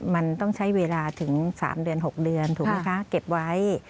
มันต้องใช้เวลาถึง๓เดือน๖เดือนถูกไหมคะเก็บไว้